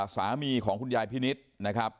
สามีของคุณยายพินิษฐ์นะครับ